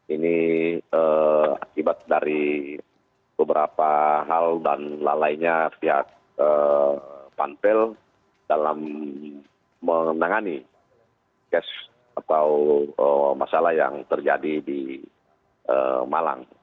ini akibat dari beberapa hal dan lalainya pihak panpel dalam menangani cash atau masalah yang terjadi di malang